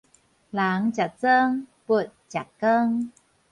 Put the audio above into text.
人食裝，佛食扛